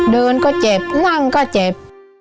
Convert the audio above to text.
เดินก็เจ็บนั่งก็เจ็บ